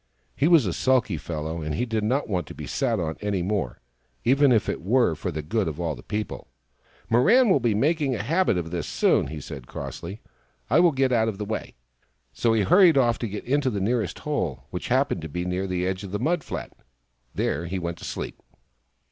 He was a sulky fellow, and he did not want to be sat on any more, even if it were for the good of all the people. " Mirran will be making a habit of this soon," he said crossly ; "I will get out of the way." So he hurried off, and got into the nearest hole, which happened to be near the edge of the mud flat. There he went to sleep.